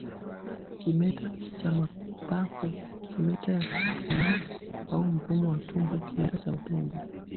kimeta cha mapafu kimeta ya kupumua au mfumo wa utumbo kimeta cha utumbo